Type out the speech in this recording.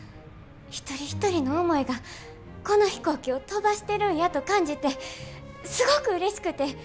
一人一人の思いがこの飛行機を飛ばしてるんやと感じてすごくうれしくて。